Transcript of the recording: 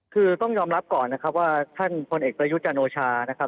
คือต้องยอมรับก่อนนะครับว่าท่านพลเอกประยุทธ์จันโอชานะครับ